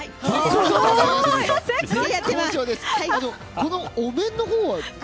このお面のほうは？